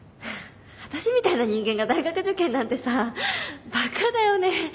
私みたいな人間が大学受験なんてさバカだよね。